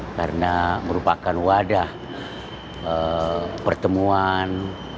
karena merupakan wadah pertemuan